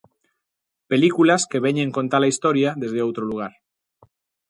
Películas que veñen contar a historia desde outro lugar.